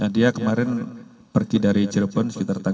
dia kemarin pergi dari jepun sekitar tiga jam